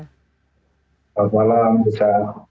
selamat malam riza